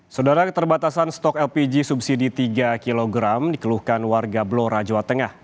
saudara keterbatasan stok lpg subsidi tiga kg dikeluhkan warga blora jawa tengah